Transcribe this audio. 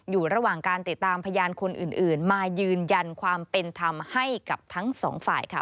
อยู่ระหว่างการติดตามพยานคนอื่นมายืนยันความเป็นธรรมให้กับทั้งสองฝ่ายค่ะ